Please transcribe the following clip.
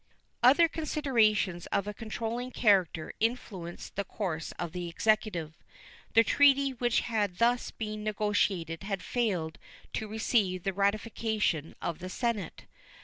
Other considerations of a controlling character influenced the course of the Executive. The treaty which had thus been negotiated had failed to receive the ratification of the Senate.